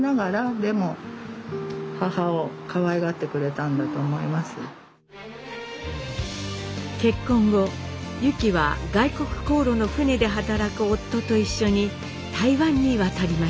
多分あの方も結婚後ユキは外国航路の船で働く夫と一緒に台湾に渡りました。